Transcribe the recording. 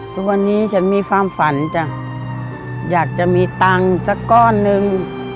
ทุกวันนี้ฉันมีความฝันจ้ะอยากจะมีตังค์สักก้อนหนึ่ง